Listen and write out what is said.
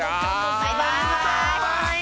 バイバイ！